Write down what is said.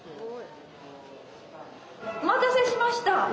お待たせしました。